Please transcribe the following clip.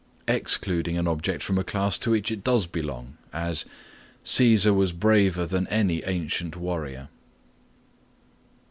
(4) Excluding an object from a class to which it does belong; as, "Caesar was braver than any ancient warrior."